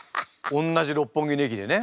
おんなじ六本木の駅でね。